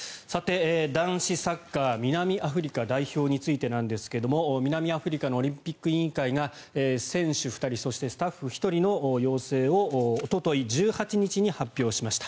男子サッカー南アフリカ代表についてですが南アフリカのオリンピック委員会が選手２人そしてスタッフ１人の陽性を、おととい１８日に発表しました。